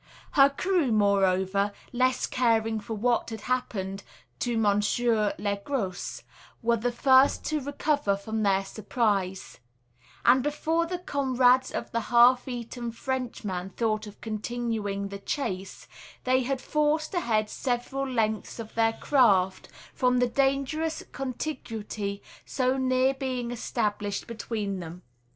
Her crew, moreover, less caring for what had happened to Monsieur Le Gros, were the first to recover from their surprise; and before the comrades of the half eaten Frenchman thought of continuing the chase, they had forced ahead several lengths of their craft from the dangerous contiguity so near being established between them.